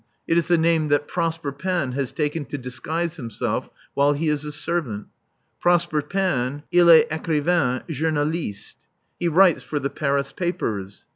It is the name that Prosper Panne has taken to disguise himself while he is a servant. Prosper Panne il est écrivain, journaliste. He writes for the Paris papers.